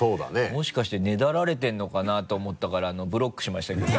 もしかしてねだられてるのかな？と思ったからブロックしましたけどね。